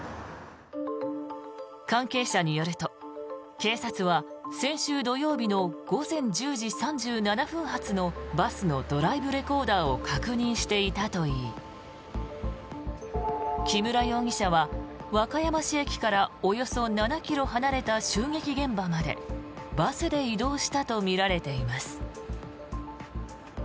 関係者によると警察は先週土曜日の午前１０時３７分発のバスのドライブレコーダーを確認していたといい木村容疑者は和歌山市駅からおよそ７ｋｍ離れた襲撃現場までバスで移動したとみられています。